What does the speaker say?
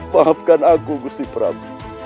maafkan aku guru sipram